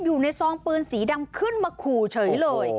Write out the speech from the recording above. อยู่ในซองเปลือนสีดำขึ้นมาขู่เฉยเลย